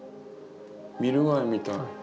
ミル貝みたい。